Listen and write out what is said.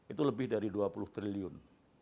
itu lebih dari dua puluh triliun